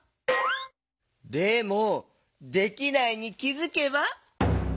でも「できないに気づけば」？